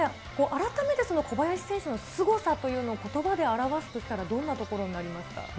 改めて小林選手のすごさというのを、ことばを表すとしたら、どんなところになりますか。